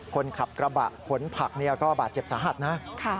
คนขับกระบะขนผักก็บาดเจ็บสาหัสนะ